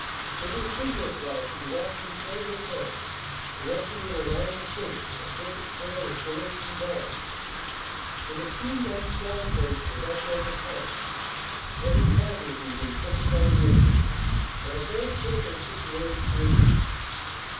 With his signal flag he walked in front of the tank, directing it along the trench in a perfect hail of bullets and bombs. The machine gun strong points were thus overcome, heavy casualties inflicted on the enemy, and a very critical situation relieved.